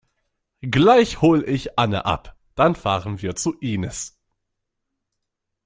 Gleich hol ich Anne ab. Dann fahren wir zu Inis.